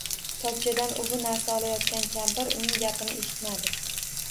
Tokchadan u-bu narsa olayotgan kampir uning gapini eshitmadi.